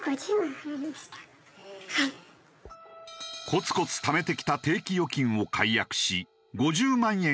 コツコツためてきた定期預金を解約し５０万円